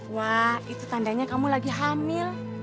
wah itu tandanya kamu lagi hamil